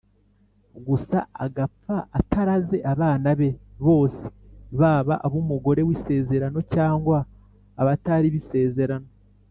gusa agapfa ataraze abana be bose baba ab’umugore w’isezerano cyangwa abatari bisezerano,